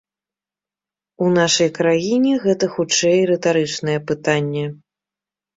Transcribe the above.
У нашай краіне гэта, хутчэй, рытарычнае пытанне.